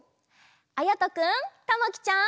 あやとくんたまきちゃん。